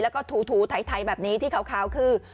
แล้วก็ถูไถแบบนี้ที่ขาวคือ